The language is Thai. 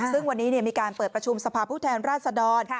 ซึ่งวันนี้มีการเปิดประชุมสภาพผู้แทนราชดร